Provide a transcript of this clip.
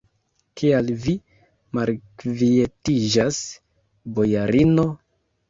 Kial vi malkvietiĝas, bojarino?